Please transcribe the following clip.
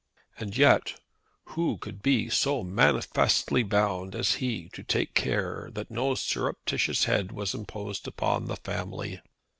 And yet who could be so manifestly bound as he to take care that no surreptitious head was imposed upon the family.